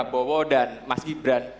ini sebenarnya tidak ada yang bisa dikira